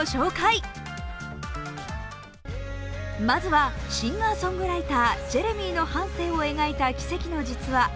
まずは、シンガーソングライター、ジェレミーの半生を描いた奇跡の実話